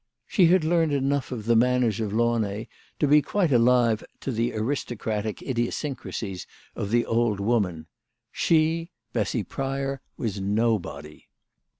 She had learned enough of the manners of Launay to be quite alive to the aristocratic idiosyncrasies of the old woman, She, Bessy Pryor, was nobody.